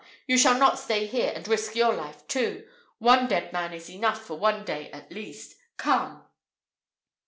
You shall not stay here, and risk your life too. One dead man is enough for one day at least. Come!"